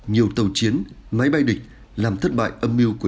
nhiều tàu chiến máy bay địch làm thất bại âm mưu của